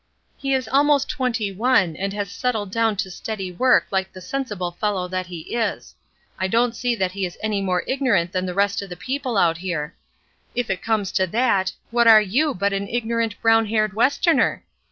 ''He is almost twenty one, and he has settled down to steady work like the sensible fellow that he is. I don't see that he is any more ignorant than the rest of the people out here. If it comes to that, what are you but an ignorant, brown haired Westerner?